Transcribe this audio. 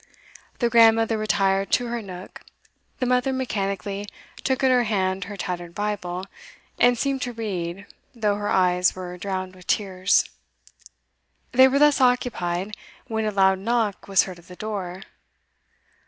The grandmother retired to her nook, the mother mechanically took in her hand her tattered Bible, and seemed to read, though her eyes were drowned with tears. They were thus occupied, when a loud knock was heard at the door.